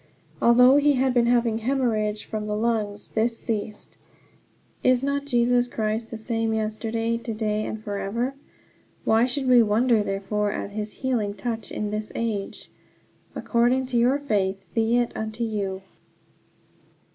Although he had been having hemorrhage from the lungs, this ceased. Is not Jesus Christ the same yesterday, to day, and forever? Why should we wonder, therefore, at his healing touch in this age? "According to your faith be it unto you."